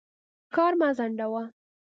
کار مه ځنډوه.